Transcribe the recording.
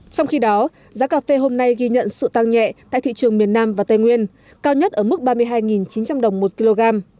trong khi đó giá cà phê hôm nay ghi nhận sự tăng nhẹ tại thị trường miền nam và tây nguyên cao nhất ở mức ba mươi hai chín trăm linh đồng một kg